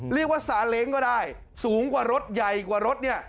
เรียกว่าสาเล้งก็ได้สูงกว่ารถใหญ่กว่ารถเนี่ย